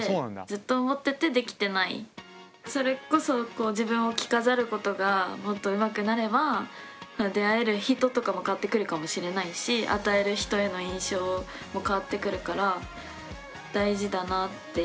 ずっと思っててそれこそ自分を着飾ることがもっとうまくなれば出会える人とかも変わってくるかもしれないし与える人への印象も変わってくるから大事だなって。